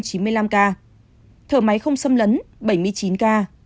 thở máy không xâm lấn bảy mươi chín ca